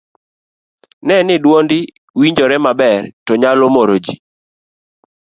ne ni dwondi winjore maber to nyalo moro ji